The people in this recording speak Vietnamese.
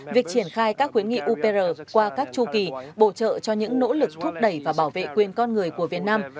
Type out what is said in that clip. việc triển khai các khuyến nghị upr qua các chu kỳ bổ trợ cho những nỗ lực thúc đẩy và bảo vệ quyền con người của việt nam